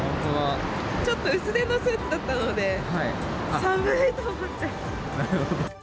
ちょっと薄手のスーツだったので、なるほど。